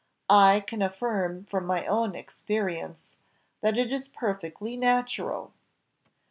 I can affirm from my own experience, that it is perfectly natural."